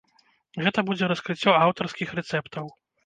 Гэта будзе раскрыццё аўтарскіх рэцэптаў.